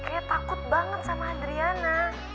kayaknya takut banget sama adriana